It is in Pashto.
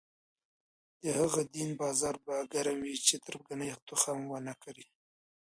د هغه دین بازار به ګرم وي چې تربګنۍ تخم ونه کري.